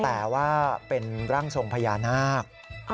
แต่ว่าเป็นร่างทรงพญานาค